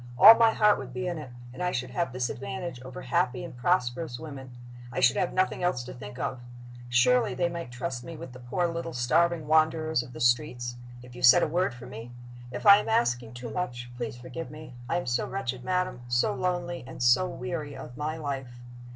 All my heart would be in it; and I should have this advantage over happy and prosperous women I should have nothing else to think of. Surely they might trust me with the poor little starving wanderers of the streets if you said a word for me? If I am asking too much, please forgive me. I am so wretched, madam so lonely and so weary of my life.